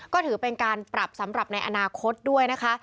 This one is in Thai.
ก็ถือเป็นการปรับสำหรับในอนาคตด้วยนะคะ